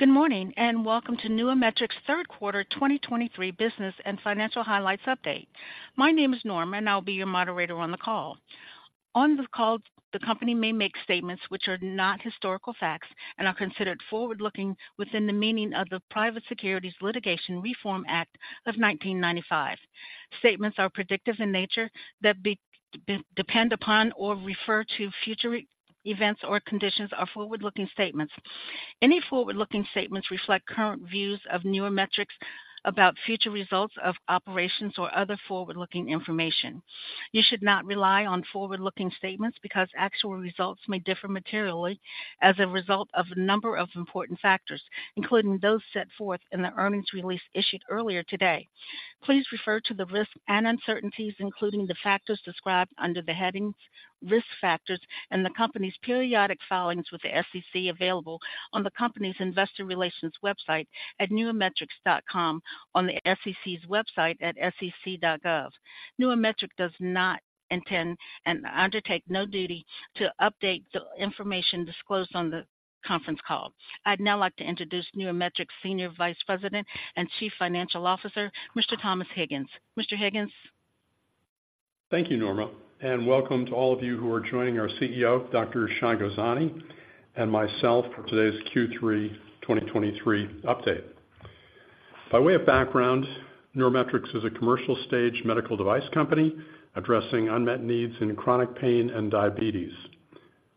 Good morning, and welcome to NeuroMetrix' third quarter 2023 business and financial highlights update. My name is Norma, and I'll be your moderator on the call. On the call, the company may make statements which are not historical facts and are considered forward-looking within the meaning of the Private Securities Litigation Reform Act of 1995. Statements are predictive in nature that depend upon or refer to future events or conditions are forward-looking statements. Any forward-looking statements reflect current views of NeuroMetrix about future results of operations or other forward-looking information. You should not rely on forward-looking statements because actual results may differ materially as a result of a number of important factors, including those set forth in the earnings release issued earlier today. Please refer to the risks and uncertainties, including the factors described under the headings Risk Factors in the company's periodic filings with the SEC, available on the company's investor relations website at neurometrix.com on the SEC's website at sec.gov. NeuroMetrix does not intend and undertake no duty to update the information disclosed on the conference call. I'd now like to introduce NeuroMetrix Senior Vice President and Chief Financial Officer, Mr. Thomas Higgins. Mr. Higgins? Thank you, Norma, and welcome to all of you who are joining our CEO, Dr. Shai Gozani, and myself for today's Q3 2023 update. By way of background, NeuroMetrix is a commercial-stage medical device company addressing unmet needs in chronic pain and diabetes.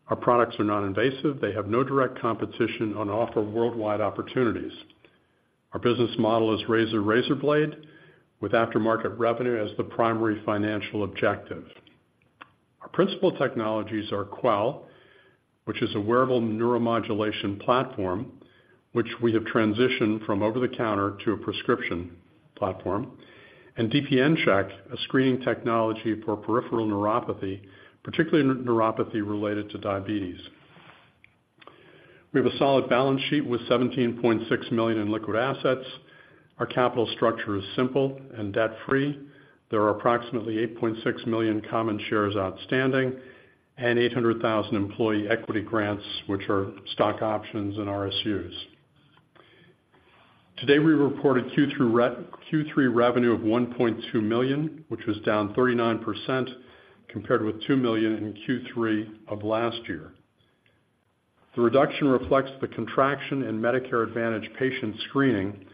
Our products are non-invasive, they have no direct competition and offer worldwide opportunities. Our business model is razor-razor blade, with aftermarket revenue as the primary financial objective. Our principal technologies are Quell, which is a wearable neuromodulation platform, which we have transitioned from over-the-counter to a prescription platform, and DPNCheck, a screening technology for peripheral neuropathy, particularly neuropathy related to diabetes. We have a solid balance sheet with $17.6 million in liquid assets. Our capital structure is simple and debt-free. There are approximately 8.6 million common shares outstanding and 800,000 employee equity grants, which are stock options and RSUs. Today, we reported Q3 revenue of $1.2 million, which was down 39% compared with $2 million in Q3 of last year. The reduction reflects the contraction in Medicare Advantage patient screening,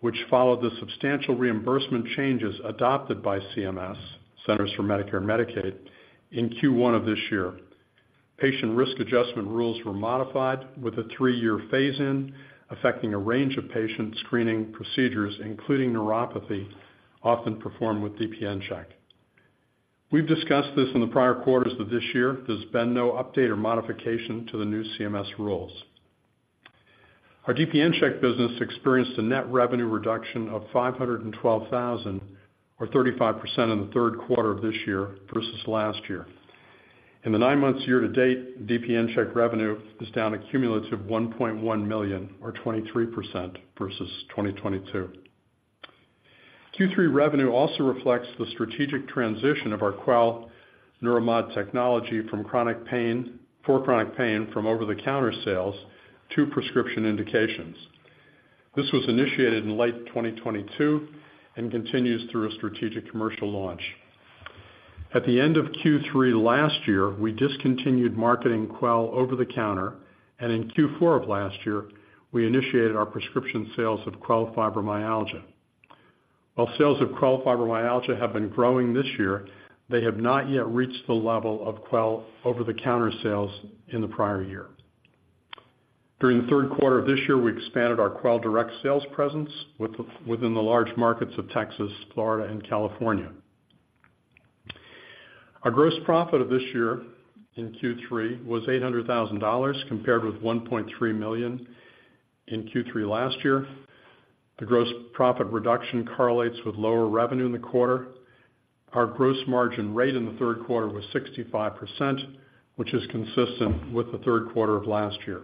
which followed the substantial reimbursement changes adopted by CMS, Centers for Medicare and Medicaid, in Q1 of this year. Patient risk adjustment rules were modified with a three-year phase-in, affecting a range of patient screening procedures, including neuropathy, often performed with DPNCheck. We've discussed this in the prior quarters of this year. There's been no update or modification to the new CMS rules. Our DPNCheck business experienced a net revenue reduction of $512,000, or 35%, in the third quarter of this year versus last year. In the nine months year-to-date, DPNCheck revenue is down a cumulative $1.1 million, or 23% versus 2022. Q3 revenue also reflects the strategic transition of our Quell neuromod technology from chronic pain for chronic pain from over-the-counter sales to prescription indications. This was initiated in late 2022 and continues through a strategic commercial launch. At the end of Q3 last year, we discontinued marketing Quell over-the-counter, and in Q4 of last year, we initiated our prescription sales of Quell Fibromyalgia. While sales of Quell Fibromyalgia have been growing this year, they have not yet reached the level of Quell over-the-counter sales in the prior year. During the third quarter of this year, we expanded our Quell direct sales presence within the large markets of Texas, Florida, and California. Our gross profit of this year in Q3 was $800,000, compared with $1.3 million in Q3 last year. The gross profit reduction correlates with lower revenue in the quarter. Our gross margin rate in the third quarter was 65%, which is consistent with the third quarter of last year.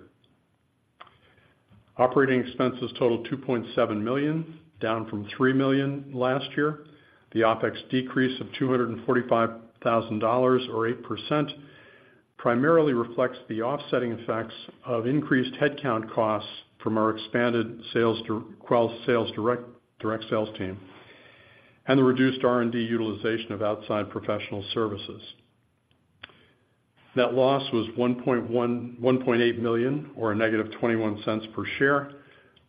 Operating expenses totaled $2.7 million, down from $3 million last year. The OpEx decrease of $245,000, or 8%, primarily reflects the offsetting effects of increased headcount costs from our expanded sales to Quell sales direct, direct sales team, and the reduced R&D utilization of outside professional services. Net loss was $1.8 million, or -$0.21 per share,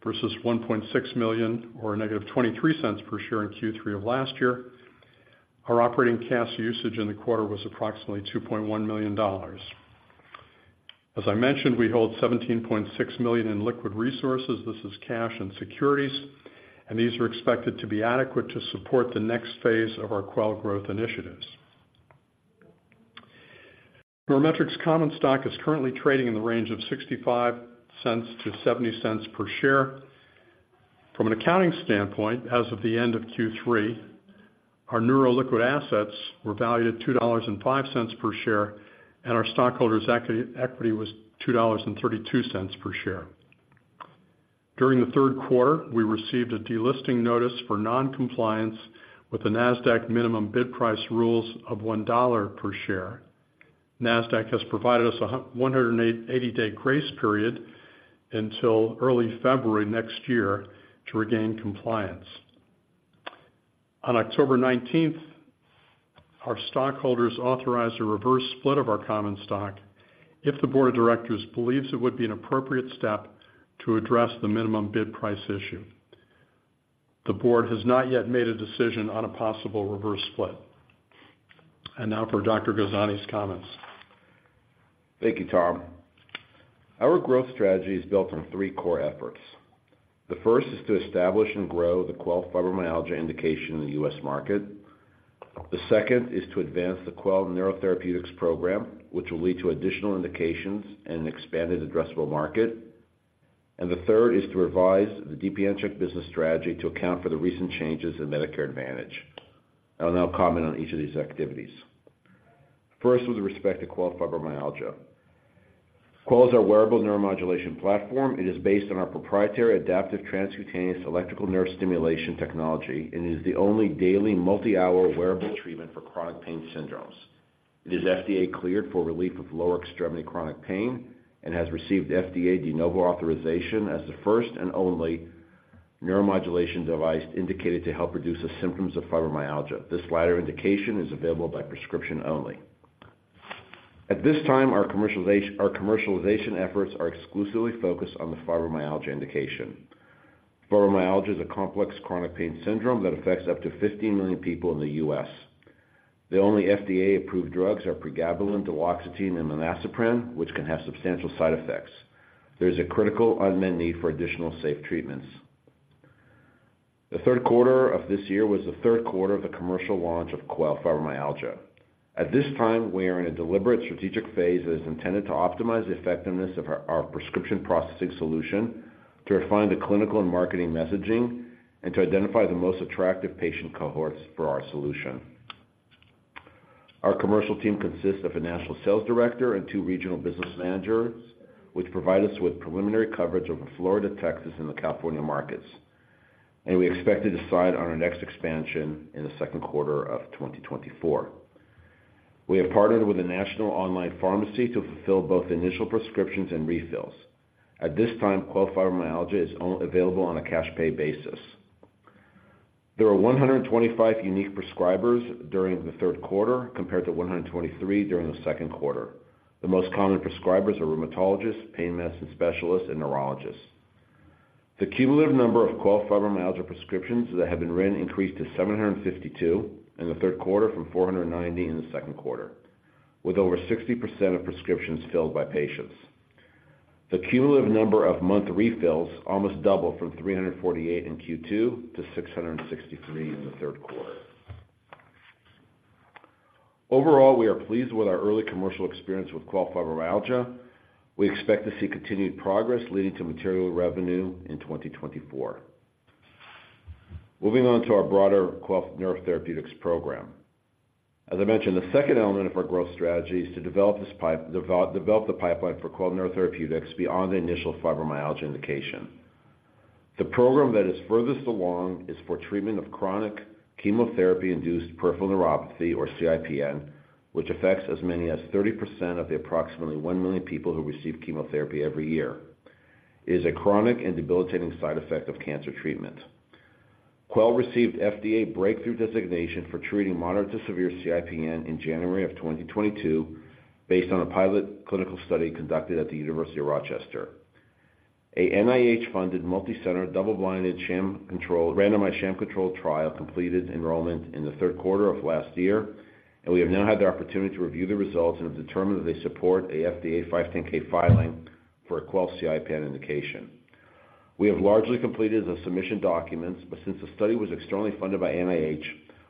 versus $1.6 million, or -$0.23 per share in Q3 of last year. Our operating cash usage in the quarter was approximately $2.1 million. As I mentioned, we hold $17.6 million in liquid resources. This is cash and securities, and these are expected to be adequate to support the next phase of our Quell growth initiatives. NeuroMetrix common stock is currently trading in the range of $0.65-$0.70 per share. From an accounting standpoint, as of the end of Q3, our net liquid assets were valued at $2.05 per share, and our stockholders' equity was $2.32 per share. During the third quarter, we received a delisting notice for non-compliance with the Nasdaq minimum bid price rules of $1 per share. Nasdaq has provided us a 180-day grace period until early February next year to regain compliance. On October 19, our stockholders authorized a reverse split of our common stock if the board of directors believes it would be an appropriate step to address the minimum bid price issue. The board has not yet made a decision on a possible reverse split. Now for Dr. Gozani's comments. Thank you, Tom. Our growth strategy is built on three core efforts. The first is to establish and grow the Quell Fibromyalgia indication in the U.S. market. The second is to advance the Quell Neurotherapeutics program, which will lead to additional indications and an expanded addressable market. And the third is to revise the DPNCheck business strategy to account for the recent changes in Medicare Advantage. I'll now comment on each of these activities. First, with respect to Quell Fibromyalgia. Quell is our wearable neuromodulation platform. It is based on our proprietary adaptive transcutaneous electrical nerve stimulation technology, and is the only daily, multi-hour wearable treatment for chronic pain syndromes. It is FDA-cleared for relief of lower extremity chronic pain and has received FDA De Novo authorization as the first and only neuromodulation device indicated to help reduce the symptoms of fibromyalgia. This latter indication is available by prescription only. At this time, our commercialization, our commercialization efforts are exclusively focused on the fibromyalgia indication. Fibromyalgia is a complex chronic pain syndrome that affects up to 50 million people in the U.S. The only FDA-approved drugs are pregabalin, duloxetine, and milnacipran, which can have substantial side effects. There is a critical unmet need for additional safe treatments. The third quarter of this year was the third quarter of the commercial launch of Quell Fibromyalgia. At this time, we are in a deliberate strategic phase that is intended to optimize the effectiveness of our, our prescription processing solution, to refine the clinical and marketing messaging, and to identify the most attractive patient cohorts for our solution. Our commercial team consists of a national sales director and two regional business managers, which provide us with preliminary coverage over the Florida, Texas, and the California markets, and we expect to decide on our next expansion in the second quarter of 2024. We have partnered with a national online pharmacy to fulfill both initial prescriptions and refills. At this time, Quell Fibromyalgia is available on a cash pay basis. There were 125 unique prescribers during the third quarter, compared to 123 during the second quarter. The most common prescribers are rheumatologists, pain medicine specialists, and neurologists. The cumulative number of Quell Fibromyalgia prescriptions that have been written increased to 752 in the third quarter from 490 in the second quarter, with over 60% of prescriptions filled by patients. The cumulative number of month refills almost doubled from 348 in Q2 to 663 in the third quarter. Overall, we are pleased with our early commercial experience with Quell Fibromyalgia. We expect to see continued progress leading to material revenue in 2024. Moving on to our broader Quell nerve therapeutics program. As I mentioned, the second element of our growth strategy is to develop the pipeline for Quell Neurotherapeutics beyond the initial fibromyalgia indication. The program that is furthest along is for treatment of chronic chemotherapy-induced peripheral neuropathy, or CIPN, which affects as many as 30% of the approximately 1 million people who receive chemotherapy every year. It is a chronic and debilitating side effect of cancer treatment. Quell received FDA breakthrough designation for treating moderate to severe CIPN in January 2022, based on a pilot clinical study conducted at the University of Rochester. A NIH-funded, multicenter, double-blinded, sham-controlled, randomized, sham-controlled trial completed enrollment in the third quarter of last year, and we have now had the opportunity to review the results and have determined that they support a FDA 510(k) filing for a Quell CIPN indication. We have largely completed the submission documents, but since the study was externally funded by NIH,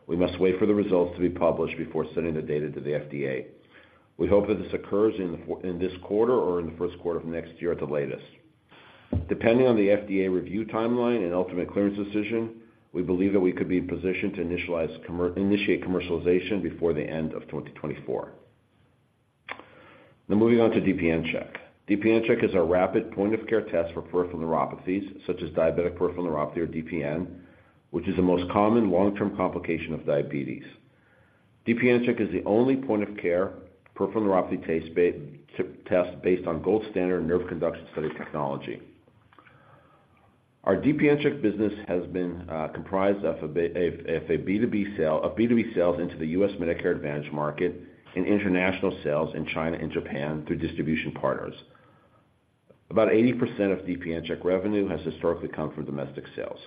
we must wait for the results to be published before sending the data to the FDA. We hope that this occurs in this quarter or in the first quarter of next year at the latest. Depending on the FDA review timeline and ultimate clearance decision, we believe that we could be in position to initiate commercialization before the end of 2024. Now moving on to DPNCheck. DPNCheck is our rapid point-of-care test for peripheral neuropathies, such as diabetic peripheral neuropathy, or DPN, which is the most common long-term complication of diabetes. DPNCheck is the only point-of-care peripheral neuropathy test based on gold standard nerve conduction study technology. Our DPNCheck business has been comprised of B2B sales into the U.S. Medicare Advantage market and international sales in China and Japan through distribution partners. About 80% of DPNCheck revenue has historically come from domestic sales.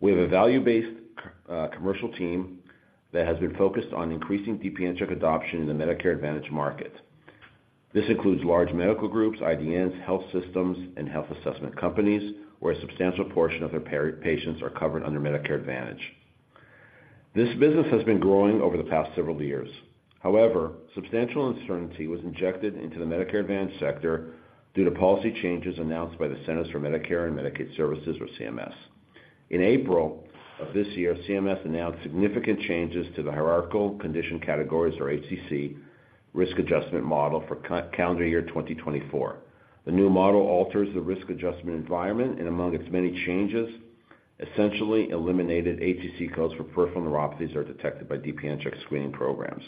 We have a value-based commercial team that has been focused on increasing DPNCheck adoption in the Medicare Advantage market. This includes large medical groups, IDNs, health systems, and health assessment companies, where a substantial portion of their patients are covered under Medicare Advantage. This business has been growing over the past several years. However, substantial uncertainty was injected into the Medicare Advantage sector due to policy changes announced by the Centers for Medicare and Medicaid Services, or CMS. In April of this year, CMS announced significant changes to the Hierarchical Condition Categories, or HCC, risk adjustment model for calendar year 2024. The new model alters the risk adjustment environment, and among its many changes essentially eliminated HCC codes for peripheral neuropathies are detected by DPNCheck screening programs.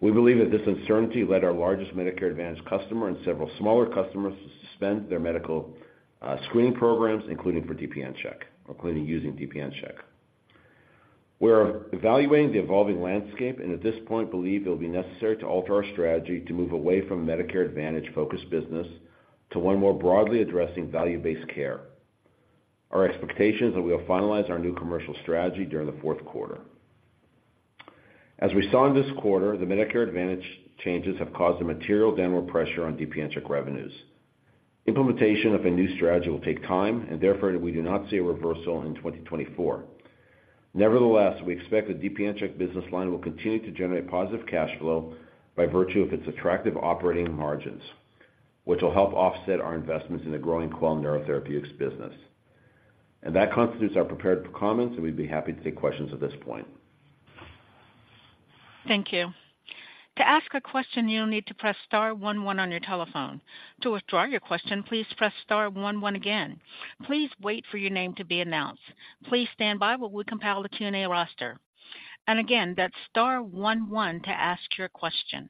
We believe that this uncertainty led our largest Medicare Advantage customer and several smaller customers to suspend their medical screening programs, including for DPNCheck or including using DPNCheck. We're evaluating the evolving landscape and at this point believe it will be necessary to alter our strategy to move away from Medicare Advantage-focused business to one more broadly addressing value-based care. Our expectations are we'll finalize our new commercial strategy during the fourth quarter. As we saw in this quarter, the Medicare Advantage changes have caused a material downward pressure on DPNCheck revenues. Implementation of a new strategy will take time, and therefore, we do not see a reversal in 2024. Nevertheless, we expect the DPNCheck business line will continue to generate positive cash flow by virtue of its attractive operating margins, which will help offset our investments in the growing Quell Neurotherapeutics business. That constitutes our prepared comments, and we'd be happy to take questions at this point. Thank you. To ask a question, you'll need to press star one one on your telephone. To withdraw your question, please press star one one again. Please wait for your name to be announced. Please stand by while we compile the Q&A roster. Again, that's star one one to ask your question.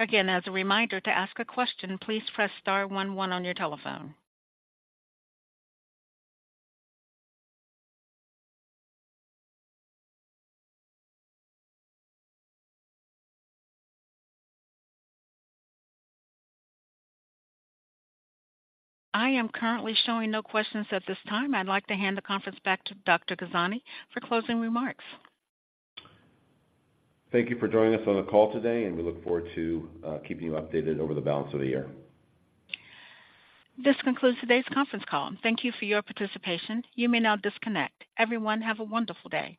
Again, as a reminder, to ask a question, please press star one one on your telephone. I am currently showing no questions at this time. I'd like to hand the conference back to Dr. Gozani for closing remarks. Thank you for joining us on the call today, and we look forward to keeping you updated over the balance of the year. This concludes today's conference call. Thank you for your participation. You may now disconnect. Everyone, have a wonderful day.